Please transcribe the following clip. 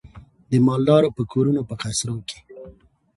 د مالدارو په کورونو په قصرو کي